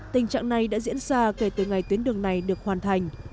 tình trạng này đã diễn ra kể từ ngày tuyến đường này được hoàn thành